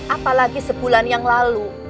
apalagi sebulan yang lalu